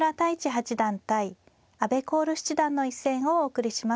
八段対阿部光瑠七段の一戦をお送りします。